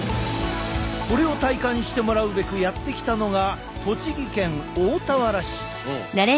これを体感してもらうべくやって来たのが栃木県大田原市。